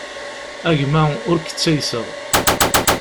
A gma ur k-ttayseɣ.